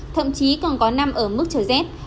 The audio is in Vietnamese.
thậm chí còn có năm ở mức trời giết